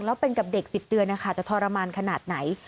แล้วเป็นกับเด็ก๑๐เดือนนะคะจะทรมานขนาดไหน